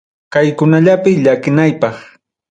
Kaykunallapi llakinaypaq.